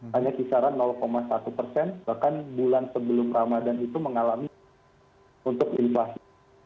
hanya kisaran satu persen bahkan bulan sebelum ramadan itu mengalami untuk invasi